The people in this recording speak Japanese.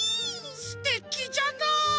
すてきじゃない！